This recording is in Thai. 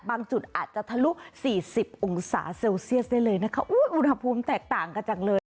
จุดอาจจะทะลุ๔๐องศาเซลเซียสได้เลยนะคะอุ้ยอุณหภูมิแตกต่างกันจังเลย